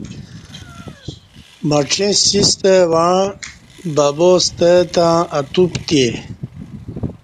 مڄیں سیستہ وعں ببا ستہ تں اتوپ تے